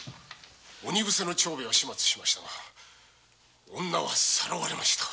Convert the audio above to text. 鬼伏せの長兵ヱは始末しましたが女はさらわれました。